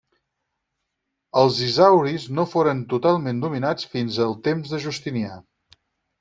Els isauris no foren totalment dominats fins al temps de Justinià.